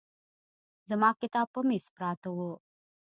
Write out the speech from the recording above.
زما کتاب په مېز پراته وو.